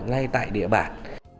của các bạn